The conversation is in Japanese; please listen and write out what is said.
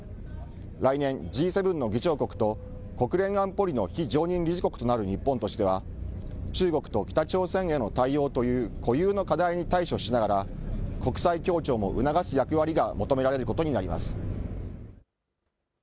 来年、Ｇ７の議長国と国連安保理の非常任理事国となる日本としては、中国と北朝鮮への対応という固有の課題に対処しながら、国際協調も促す役割が求められることになります。